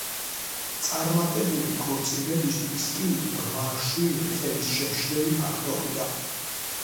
წარმატებული ქორწინებისთვის კი ბრმა შვილი ხელისშემშლელი ფაქტორია.